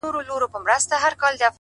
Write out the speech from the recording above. • نه هغه تللې زمانه سته زه به چیري ځمه,